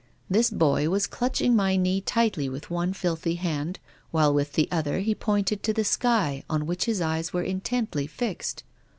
This boy was clutching my knee tightly with one filthy hand, while with the other he pointed to the sky on which his eyes were in tently fixed.